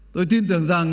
tôi tin tưởng rằng